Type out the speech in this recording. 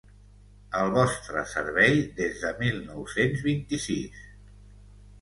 al vostre servei des de mil nou-cents vint-i-sis